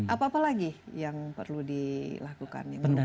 apa apa lagi yang perlu dilakukan yang merupakan